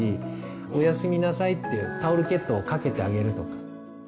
おやすみなさいってタオルケットをかけてあげるとか。